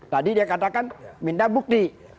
tadi dia katakan minta bukti